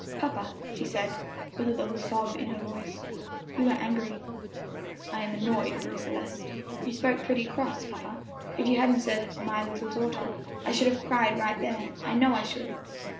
"Papa," she said, with a little sob in her voice, "you are angry." "I am annoyed, Marie Celeste." "You spoke pretty cross, papa; if you hadn't said 'my little daughter,' I should have cried right there I know I should."